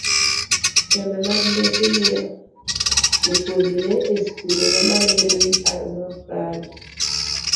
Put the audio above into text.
tembe mag mbese miyo jopuonjre e skunde mamalo bedo gi paro maok kare